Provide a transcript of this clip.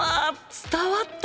伝わった！